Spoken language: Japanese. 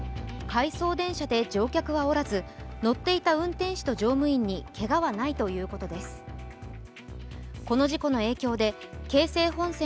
回送電車で乗客はおらず、乗っていた運転士と乗務員にけがはないということです。